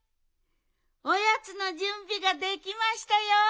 おやつのじゅんびができましたよ。